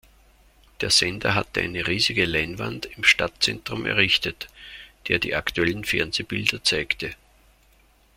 Der Sender hatte eine riesige Leinwand im Stadtzentrum errichtet, der die aktuellen Fernsehbilder zeigte.